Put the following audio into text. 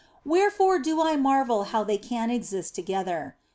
Where fore do I marvel how they can exist together.